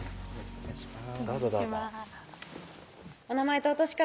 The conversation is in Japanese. お願いします